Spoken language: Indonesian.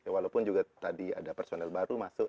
walaupun juga tadi ada personel baru masuk